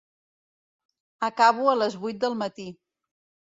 Acabo a les vuit del matí.